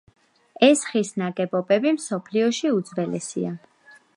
ეს ხის ნაგებობები მსოფლიოში უძველესია.